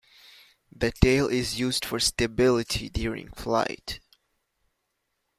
The tail is used for stability during flight.